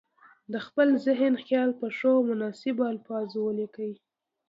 د خپل ذهن خیال په ښو او مناسبو الفاظو ولیکي.